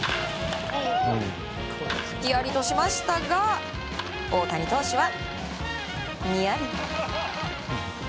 ヒヤリとしましたが大谷投手はニヤリ。